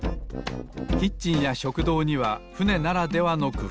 キッチンや食堂にはふねならではのくふうが。